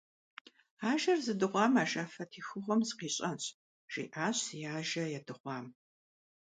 «Ажэр зыдыгъуам ажафэ техыгъуэм сыкъищӀэнщ», - жиӀащ зи ажэ ядыгъуам.